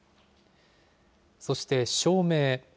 そして照明。